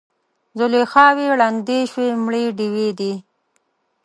زلیخاوې ړندې شوي مړې ډیوې دي